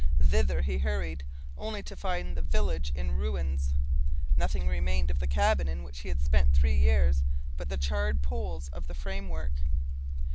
Thither he hurried, only to find the village in ruins. Nothing remained of the cabin in which he had spent three years but the charred poles of the framework.